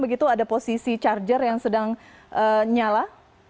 begitu ada posisi charger yang sedang nyala